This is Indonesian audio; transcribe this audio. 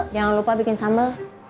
jangan lupa bikin sambel